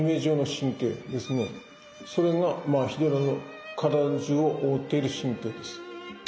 それがまあヒドラの体中を覆っている神経です。